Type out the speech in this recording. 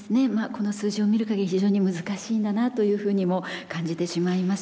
この数字を見る限り非常に難しいんだなというふうにも感じてしまいます。